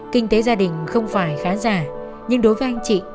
kinh tế gia đình không phải khá giả nhưng đối với anh chị